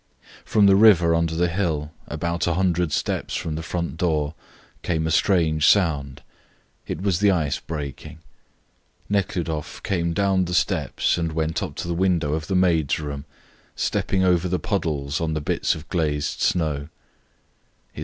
From the river under the hill, about a hundred steps from the front door, came a strange sound. It was the ice breaking. Nekhludoff came down the steps and went up to the window of the maids' room, stepping over the puddles on the bits of glazed snow.